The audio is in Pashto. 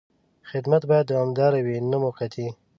خدمت باید دوامداره وي، نه موقتي.